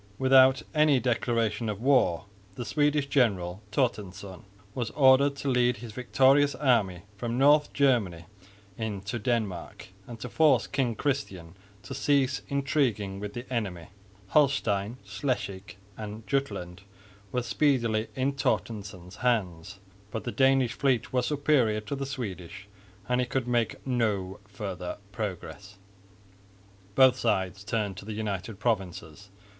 Without any declaration of war the Swedish general, Torstensson, was ordered to lead his victorious army from North Germany into Denmark and to force King Christian to cease intriguing with the enemy. Holstein, Schleswig and Jutland were speedily in Torstensson's hands, but the Danish fleet was superior to the Swedish, and he could make no further progress. Both sides turned to the United Provinces.